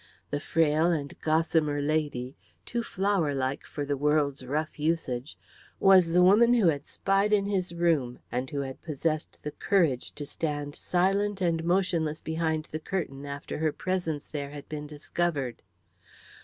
The fragile and gossamer lady, too flowerlike for the world's rough usage, was the woman who had spied in his room and who had possessed the courage to stand silent and motionless behind the curtain after her presence there had been discovered.